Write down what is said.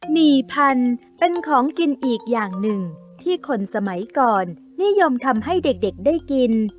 หี่พันธุ์เป็นของกินอีกอย่างหนึ่งที่คนสมัยก่อนนิยมทำให้เด็กได้กิน